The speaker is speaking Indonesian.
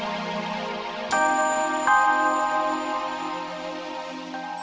sekarang juga abah pergi ke kota